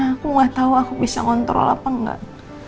aku gak tau aku bisa ngontrol apa enggak